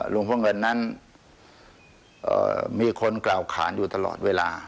หลวงพ่อเงินนั้นมีคนกล่าวขานอยู่ตลอดเวลา